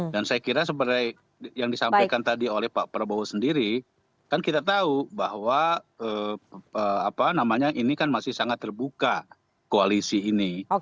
dan saya kira seperti yang disampaikan tadi oleh pak prabowo sendiri kan kita tahu bahwa ini kan masih sangat terbuka koalisi ini